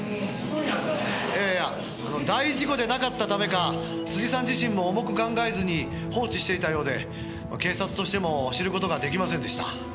「いやいや大事故でなかったためか辻さん自身も重く考えずに放置していたようで警察としても知る事が出来ませんでした」